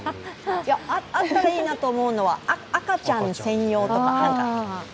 あったらいいなと思うのは赤ちゃん専用とか。